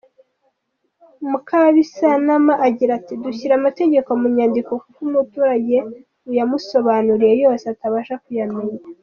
Mukabisanana agira ati “Dushyira amategeko mu nyandiko kuko umuturage uyamusobanuriye yose atabasha kuyamenya.